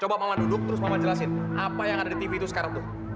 coba mama duduk terus mama jelasin apa yang ada di tv itu sekarang tuh